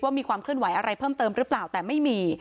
มีความเคลื่อนไหวอะไรเพิ่มเติมหรือเปล่าแต่ไม่มี